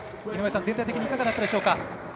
井上さん、全体的にいかがだったでしょうか。